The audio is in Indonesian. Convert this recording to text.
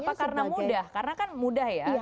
kenapa karena mudah karena kan mudah ya